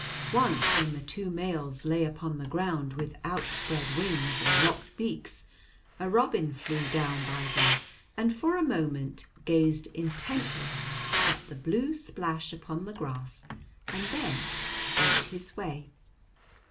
Once, when the two males lay upon the ground with outspread wings and locked beaks, a robin flew down by them and for a moment gazed intently at the blue splash upon the grass, and then went his way.